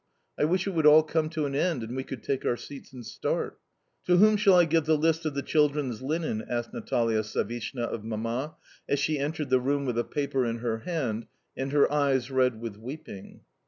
"I wish it would all come to an end, and we could take our seats and start." "To whom shall I give the list of the children's linen?" asked Natalia Savishna of Mamma as she entered the room with a paper in her hand and her eyes red with weeping.